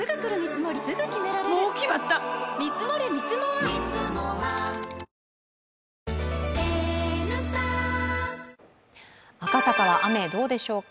わかるぞ赤坂は雨、どうでしょうか。